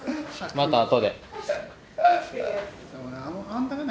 またあとで。